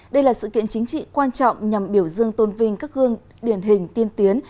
đây là sự kiện chính trị quan trọng nhằm biểu dương tôn vinh các gương điển hình tiên tiến